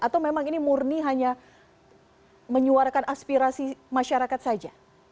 atau memang ini murni hanya menyuarakan aspirasi masyarakat saja